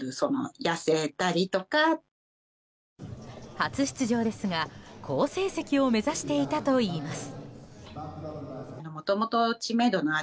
初出場ですが、好成績を目指していたといいます。